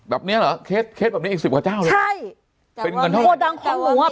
แบบเนี้ยเหรอเคสเคสแบบนี้อีกสิบกว่าเจ้าใช่เป็นการโดดดังของหัว